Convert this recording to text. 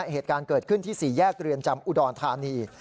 เหตุการณ์เกิดขึ้นที่๔แยกเรือนจำอุดรธานี